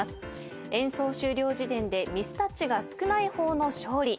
演奏終了時点でミスタッチが少ない方の勝利。